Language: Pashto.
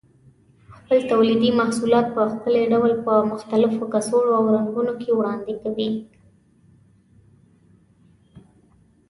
خپل تولیدي محصولات په ښکلي ډول په مختلفو کڅوړو او رنګونو کې وړاندې کوي.